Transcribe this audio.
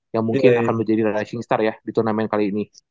yang mungkin akan menjadi rising star ya di turnamen kali ini